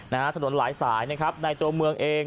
นะฮะถนนหลายสายนะครับในตัวเมืองเอง